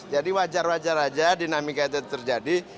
jadi wajar wajar aja dinamika itu terjadi